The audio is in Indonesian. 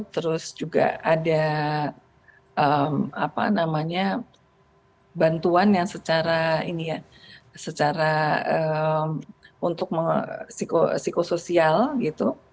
terus juga ada bantuan yang secara untuk psikososial gitu